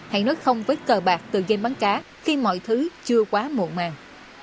hãy nói không với cờ bạc từ game bắn cá khi mọi thứ chưa quá muộn màng